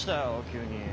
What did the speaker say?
急に。